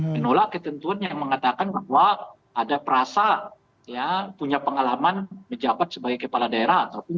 menolak ketentuan yang mengatakan bahwa ada perasa punya pengalaman menjabat sebagai kepala daerah ataupun